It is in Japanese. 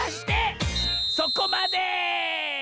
そこまで！